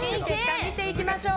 見ていきましょう。